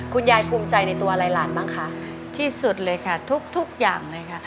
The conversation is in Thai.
คุณยายภูมิใจในตัวอะไรหลานบ้างคะที่สุดเลยค่ะทุกอย่างเลยค่ะ